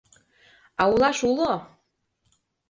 А улаш уло!..